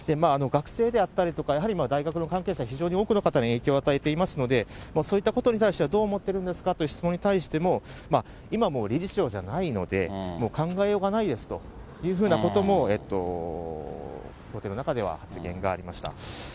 学生であったりとか、やはり大学の関係者、多くの方に影響を与えていますので、そういったことに対してはどう思ってるんですかという質問に対しても、今、もう理事長じゃないので、もう考えようがないですというふうなことも、法廷の中では発言がありました。